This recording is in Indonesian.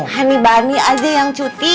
honey body aja yang cuti